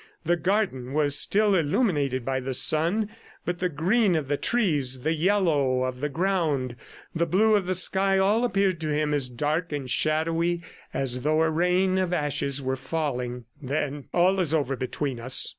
The garden was still illuminated by the sun, but the green of the trees, the yellow of the ground, the blue of the sky, all appeared to him as dark and shadowy as though a rain of ashes were falling. "Then ... all is over between us?"